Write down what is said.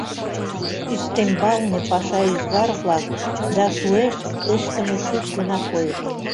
Ӱстембалне паша ӱзгар-влак да шуэшт ыштыме шӱк гына койыт.